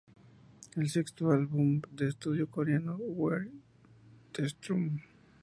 El sexto álbum de estudio coreano, "¿Where's the Truth?